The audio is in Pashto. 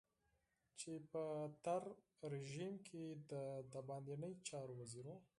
چې په تېر رژيم کې د بهرنيو چارو وزير و.